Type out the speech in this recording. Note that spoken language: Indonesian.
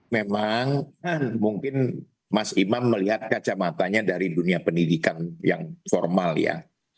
memang mungkin mas imam melihat kacamatanya dari dunia pendidikan yang formal ya